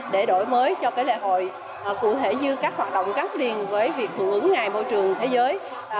để đổi mới cho lễ hội cụ thể như các hoạt động gắn liền với việc hưởng ứng ngày môi trường thế giới